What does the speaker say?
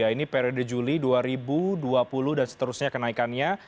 ini periode juli dua ribu dua puluh dan seterusnya kenaikannya